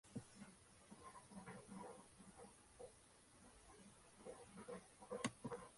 Ha desempeñados diversos cargos y funciones en el ámbito universitario.